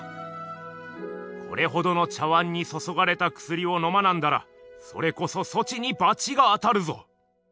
「これほどの茶碗にそそがれたくすりをのまなんだらそれこそそちにばちが当たるぞ」。